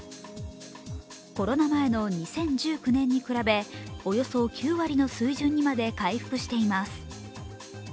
コロナ前の２０１９年に比べおよそ９割の水準にまで回復しています。